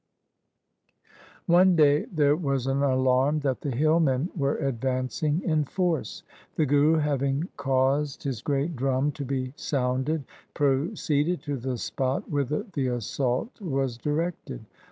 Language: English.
One day there was an alarm that the hillmen were advancing in force. The Guru having caused his great drum to be sounded, proceeded to the spot whither the assault was directed.